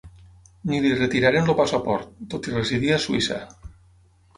Ni li retiraren el passaport, tot i residir a Suïssa.